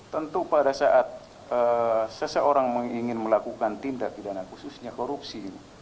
tentu pada saat seseorang ingin melakukan tindak pidana khususnya korupsi